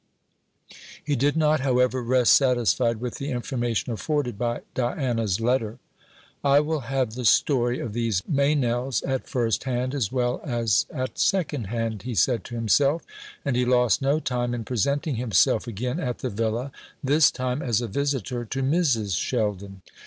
He did not, however, rest satisfied with the information afforded by Diana's letter. "I will have the story of these Meynells at first hand as well as at second hand," he said to himself; and he lost no time in presenting himself again at the Villa this time as a visitor to Mrs. Sheldon.